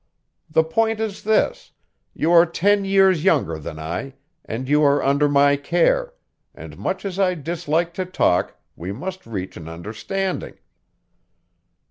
The point is this: you are ten years younger than I, and you are under my care; and much as I dislike to talk, we must reach an understanding."